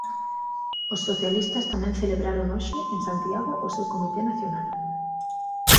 Os socialistas tamén celebraron hoxe en Santiago o seu comité nacional.